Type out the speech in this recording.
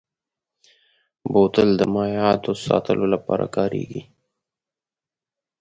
بوتل د مایعاتو ساتلو لپاره کارېږي.